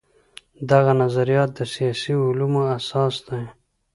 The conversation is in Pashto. دغه نظريات د سياسي علومو اساس دي.